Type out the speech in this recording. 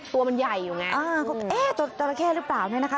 ตัวมันใหญ่อยู่ไงอ่าก็เอ๊ะจราเข้หรือเปล่าเนี่ยนะคะ